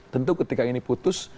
tentu ketika ini putus